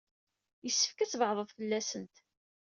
Yessefk ad tbeɛɛdeḍ fell-asent.